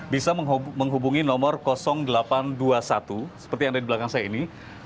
bisa menghubungi nomor delapan ratus dua puluh satu seperti yang ada di belakang saya ini